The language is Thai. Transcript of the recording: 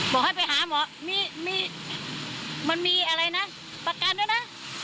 บอกให้ไปหาหมอมีมันมีอะไรนะประกันด้วยนะ